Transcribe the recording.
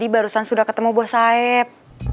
barusan sudah ketemu bos saeb